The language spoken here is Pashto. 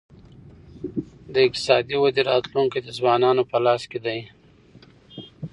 د اقتصادي ودې راتلونکی د ځوانانو په لاس کي دی.